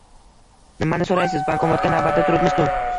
- Nimani so'raysiz, bankomatga navbatda turibmiz-ku...